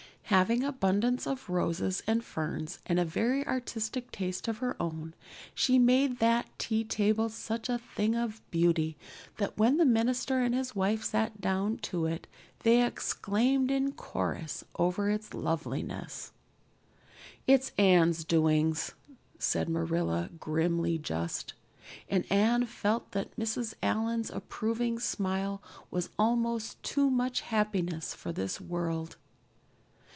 Having abundance of roses and ferns and a very artistic taste of her own, she made that tea table such a thing of beauty that when the minister and his wife sat down to it they exclaimed in chorus over it loveliness. "It's Anne's doings," said Marilla, grimly just; and Anne felt that Mrs. Allan's approving smile was almost too much happiness for this world.